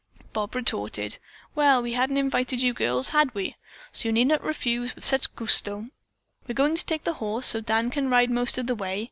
Bob retorted: "Well, we hadn't invited you girls, had we? So you need not refuse with such gusto! We're going to take the horse, so that Dan can ride most of the way."